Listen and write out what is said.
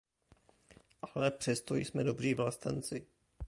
Ale přesto jsme dobří vlastenci.